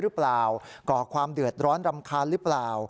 รั้วเปล่าเกาะความเดือดร้อนรำคาลรึเปล่า